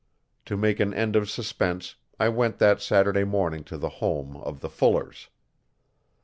To make an end of suspense I went that Saturday morning to the home of the Fullers.